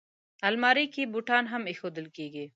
الماري کې بوټان هم ایښودل کېږي